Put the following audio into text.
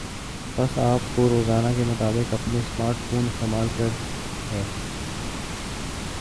پس آپ کو روزانہ کے مطابق اپنا سمارٹ فون استعمال کر ہے